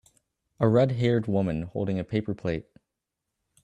A redhaired woman holding a paper plate